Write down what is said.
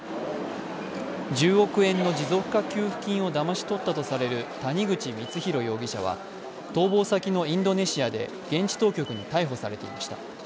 １０億円の持続化給付金をだまし取ったとされる谷口光弘容疑者は、逃亡先のインドネシアで現地当局に逮捕されていました。